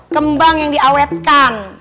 kembang yang diawetkan